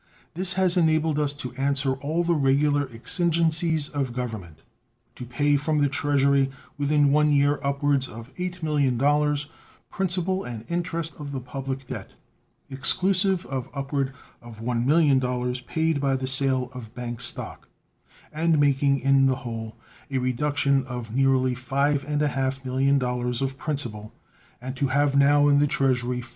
This has enabled us to answer all the regular exigencies of Government, to pay from the Treasury within one year upward of $8 millions, principal and interest, of the public debt, exclusive of upward of $1 million paid by the sale of bank stock, and making in the whole a reduction of nearly $5.5 millions of principal, and to have now in the Treasury $4.